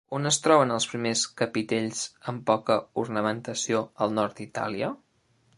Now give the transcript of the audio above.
On es troben els primers capitells amb poca ornamentació al nord d'Itàlia?